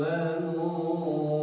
apa yang kita lakukan